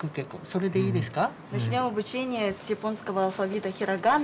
それでいいですか？